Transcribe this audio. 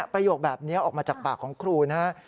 ประโยคแบบนี้ออกมาจากปากของครูนะครับ